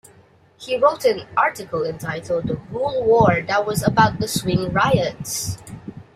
He wrote an article entitled "The Rural War" that was about the Swing Riots.